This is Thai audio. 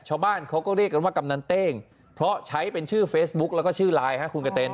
ชาวบ้านเขาก็เรียกกันว่ากำนันเต้งเพราะใช้เป็นชื่อเฟซบุ๊กแล้วก็ชื่อไลน์คุณกระเต็น